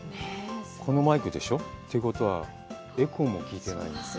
このマイクでしょう？ということは、エコーも効いてない。